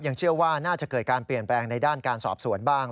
เชื่อว่าน่าจะเกิดการเปลี่ยนแปลงในด้านการสอบสวนบ้าง